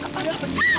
ada apa sih